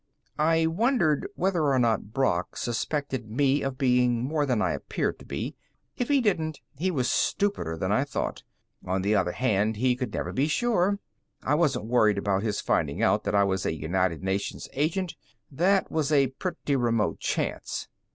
I wondered whether or not Brock suspected me of being more than I appeared to be. If he didn't, he was stupider than I thought; on the other hand, he could never be sure. I wasn't worried about his finding out that I was a United Nations agent; that was a pretty remote chance.